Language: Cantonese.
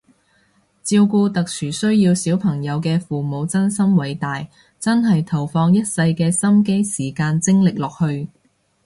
照顧特殊需要小朋友嘅父母真心偉大，真係投放一世嘅心機時間精力落去